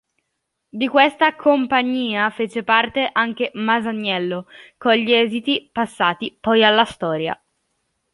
Di questa "Compagnia" fece parte anche Masaniello, con gli esiti passati poi alla storia.